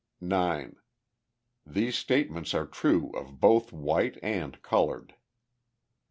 9. These statements are true of both white and coloured.